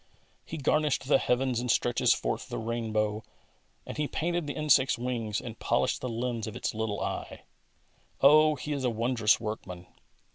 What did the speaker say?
He garnished the heavens and stretches forth the rain bow, and He painted the insect's wings and polished the lens of its little eye. Oh, He is a wondrous workman